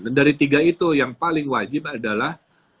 dan dari tiga itu yang paling wajib adalah